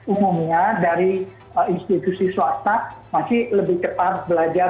umumnya dari institusi swasta masih lebih cepat belajar